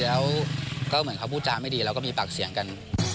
แล้วก็เหมือนเขาพูดจาไม่ดีแล้วก็มีปากเสียงกัน